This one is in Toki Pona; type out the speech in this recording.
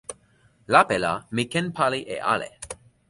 lape la mi ken pali e ale.